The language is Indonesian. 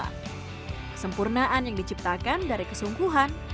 kesempurnaan yang diciptakan dari kesungguhan